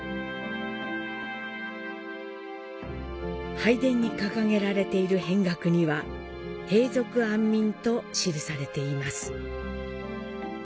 拝殿に掲げられているへん額には平賊安民と記されています。